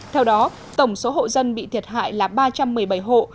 theo đó tổng số hộ dân bị thiệt hại là ba trăm một mươi bảy hộ